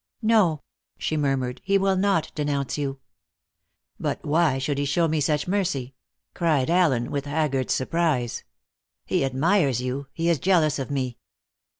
"No," she murmured, "he will not denounce you." "But why should he show me such mercy?" cried Allen with haggard surprise. "He admires you; he is jealous of me.